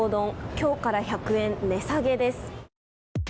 今日から１００円値下げです。